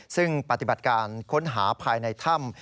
ซึ่งปฏิบัติการค้นหาภายในถ้ำ